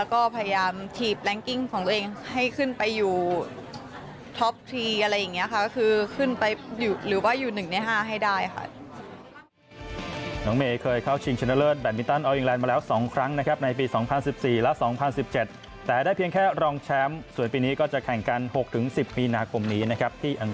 คือขึ้นไปหรือว่าอยู่๑ใน๕ให้ได้ค่ะ